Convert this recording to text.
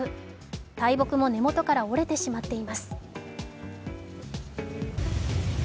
大木も根元から折れてしまっています。